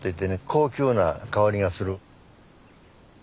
高級な香りがする。